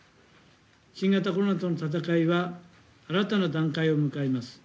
新型コロナとの闘いは、新たな段階を迎えます。